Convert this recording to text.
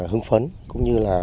hứng phấn cũng như là